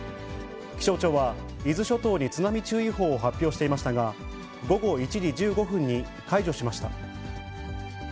気象庁は、伊豆諸島に津波注意報を発表していましたが、午後１時１５分に解除しました。